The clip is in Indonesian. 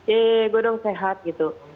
yee gue dong sehat gitu